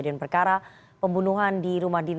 yang pertama adalah di rumah saguling